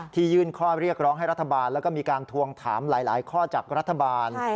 ยื่นข้อเรียกร้องให้รัฐบาลแล้วก็มีการทวงถามหลายข้อจากรัฐบาล